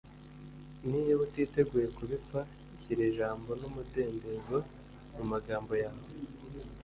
niba utiteguye kubipfa, shyira ijambo 'umudendezo' mu magambo yawe